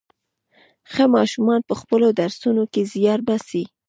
ښه ماشومان په خپلو درسونو کې زيار باسي.